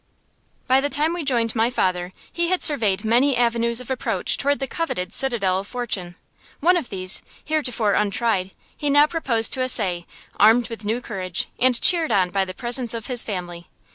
By the time we joined my father, he had surveyed many avenues of approach toward the coveted citadel of fortune. One of these, heretofore untried, he now proposed to essay, armed with new courage, and cheered on by the presence of his family.